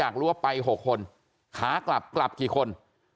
ขากลับกลับกี่คน